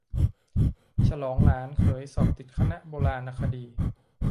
ฉลองหลานเขยสอบติดคณะโบราณคดี